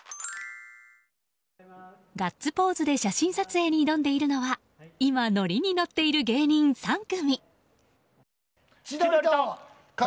ガッツポーズで写真撮影に挑んでいるのは今、乗りに乗っている芸人３組。